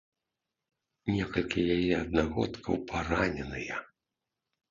Некалькі яе аднагодкаў параненыя.